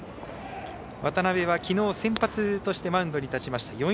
渡邊はきのう先発としてマウンドに立ちました。